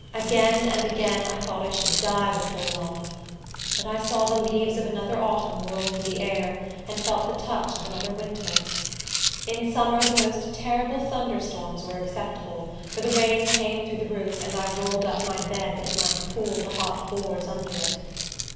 Again and again, I thought I should die before long; but I saw the leaves of another autumn whirl through the air, and felt the touch of another winter. In summer the most terrible thunder storms were acceptable, for the rain came through the roof, and I rolled up my bed that it might cool the hot boards under it.